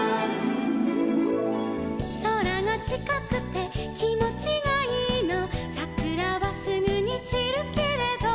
「空がちかくてきもちがいいの」「さくらはすぐに散るけれど」